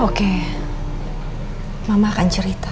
oke mama akan cerita